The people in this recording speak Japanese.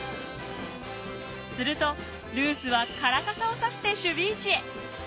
するとルースは唐傘を差して守備位置へ。